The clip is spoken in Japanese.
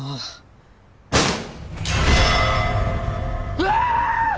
うわ！